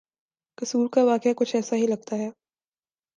قصور کا واقعہ کچھ ایسا ہی لگتا ہے۔